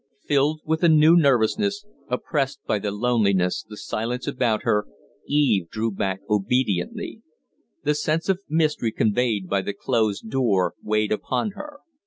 Filled with a new nervousness, oppressed by the loneliness, the silence about her, Eve drew back obediently. The sense of mystery conveyed by the closed door weighed upon her.